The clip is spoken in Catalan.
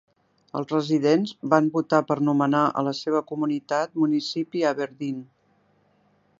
Els residents van votar per nomenar a la seva comunitat "Municipi Aberdeen".